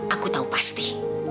aku tahu pasti